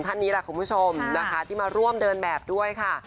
ท่านนี้แหละคุณผู้ชมนะคะที่มาร่วมเดินแบบด้วยค่ะ